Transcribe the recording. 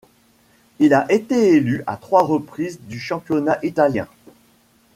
Il a été élu à trois reprises du championnat italien.